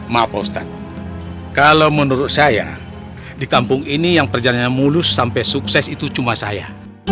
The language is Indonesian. maaf ustadz kalau menurut saya di kampung ini yang perjalanannya mulus sampai sukses itu cuma saya